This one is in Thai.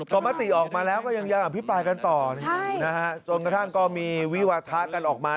ก็มติออกมาแล้วก็ยังอภิปรายกันต่อจนกระทั่งก็มีวิวาทะกันออกมา